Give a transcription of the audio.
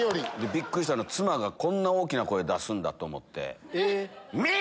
びっくりしたのは妻がこんな大きな声出すんだ！と思って。